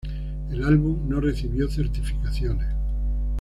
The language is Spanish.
El álbum no recibió certificaciones.